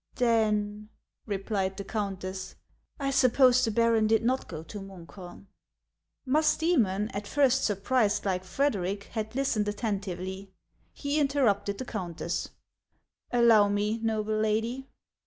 " Then," replied the countess, " I suppose the baron did not go to Munkholm." Musdoemon, at first surprised like Frederic, had listened attentively. He interrupted the countess. " Allow me, noble lady.